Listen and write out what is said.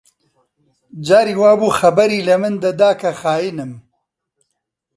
جاری وا بوو خەبەری لە من دەدا کە خاینم